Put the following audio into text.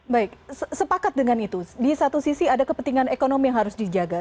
baik sepakat dengan itu di satu sisi ada kepentingan ekonomi yang harus dijaga